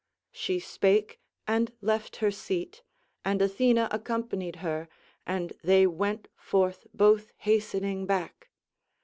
She spake, and left her seat, and Athena accompanied her and they went forth both hastening back.